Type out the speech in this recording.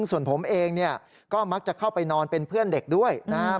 ส่วนผมเองเนี่ยก็มักจะเข้าไปนอนเป็นเพื่อนเด็กด้วยนะครับ